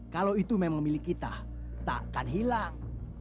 kalau itu memang milik kita tak akan hilang